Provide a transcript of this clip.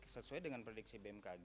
sesuai dengan prediksi bmkg